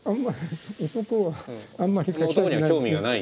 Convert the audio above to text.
男はあんまり描きたくない。